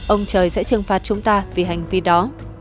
ông trời sẽ trừng phạt chúng ta vì hành vi đó